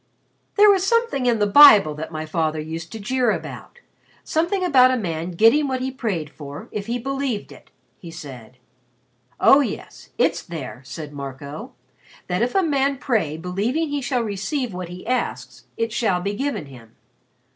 "There was something in the Bible that my father used to jeer about something about a man getting what he prayed for if he believed it," he said. "Oh, yes, it's there," said Marco. "That if a man pray believing he shall receive what he asks it shall be given him.